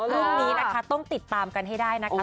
พรุ่งนี้นะคะต้องติดตามกันให้ได้นะคะ